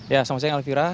ya sama sama dengan alvira